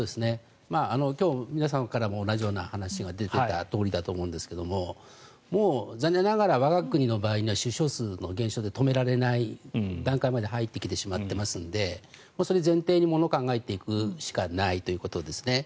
今日、皆さんからも同じような話が出ていたとおりだと思うんですがもう残念ながら我が国の場合の出生数の減少は止められない段階まで入ってきていますのでそれ前提にものを考えていくしかないということですね。